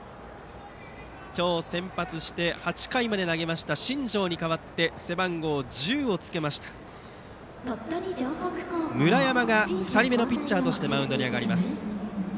今日先発して８回まで投げました新庄に代わり背番号１０をつけた村山が２人目のピッチャーとしてマウンドに上がります。